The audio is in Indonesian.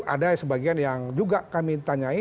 ada sebagian yang juga kami tanyai